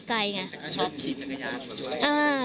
ขอประนำไว้รุ่นพี่ก่อเหตุแล้วขอให้ตำรวจลงโทษอย่างหนัก